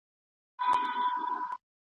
بزګر وویل خبره دي منمه .